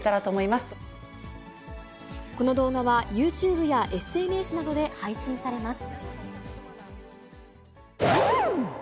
この動画は、ユーチューブやＳＮＳなどで配信されます。